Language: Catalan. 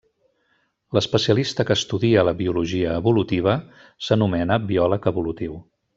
L'especialista que estudia la biologia evolutiva s'anomena biòleg evolutiu.